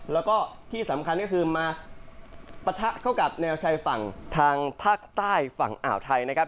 แล้วก็ที่สำคัญก็คือมาปะทะเข้ากับแนวชายฝั่งทางภาคใต้ฝั่งอ่าวไทยนะครับ